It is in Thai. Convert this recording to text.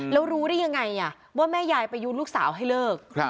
แล้วรู้ได้ยังไงว่าแม่ยายไปยูนลูกสาวให้เลิก